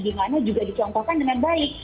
dimana juga dicontohkan dengan baik